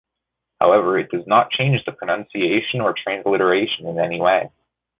However, it does not change the pronunciation or transliteration in any way.